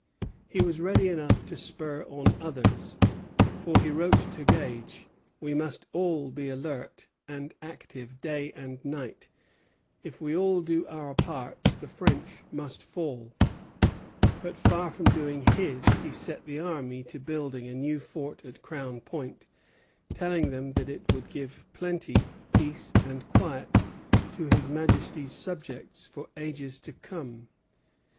He was ready enough to spur on others, for he wrote to Gage: "We must all be alert and active day and night; if we all do our parts the French must fall;" but, far from doing his, he set the army to building a new fort at Crown Point, telling them that it would "give plenty, peace, and quiet to His Majesty's subjects for ages to come."